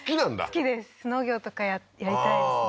好きです農業とかやりたいですね